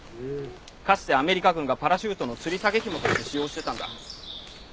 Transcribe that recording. かつてアメリカ軍がパラシュートのつり下げひもとして使用していたんだ。